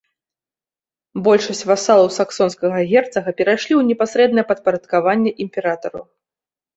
Большасць васалаў саксонскага герцага перайшлі ў непасрэднае падпарадкаванне імператару.